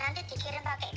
nanti dikirim pakai ki